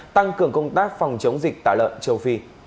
tăng cường công tác phòng chống dịch tả lợn châu phi